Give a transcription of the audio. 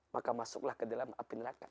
maka masuklah ke dalam api neraka